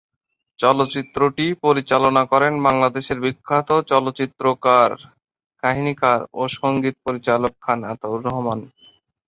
চলচ্চিত্রটি পরিচালনা করেন বাংলাদেশের বিখ্যাত চলচ্চিত্রকার, কাহিনীকার ও সঙ্গীত পরিচালক খান আতাউর রহমান।